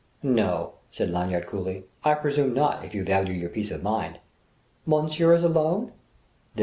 "No," said Lanyard coolly, "I presume not, if you value your peace of mind." "Monsieur is alone?"